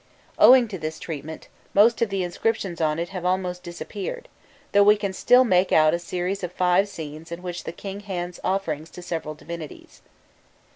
Owing to this treatment, most of the inscriptions on it have almost disappeared, though we can still make out a series of five scenes in which the king hands offerings to several divinities.